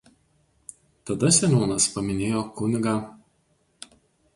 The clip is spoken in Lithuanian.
Tada seniūnas paminėjo kun.